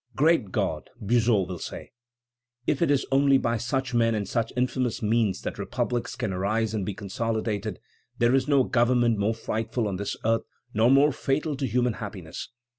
"Great God!" Buzot will say, "if it is only by such men and such infamous means that republics can arise and be consolidated, there is no government more frightful on this earth nor more fatal to human happiness."